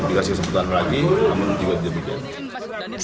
dikasih kesempatan lagi namun juga tidak bisa hadir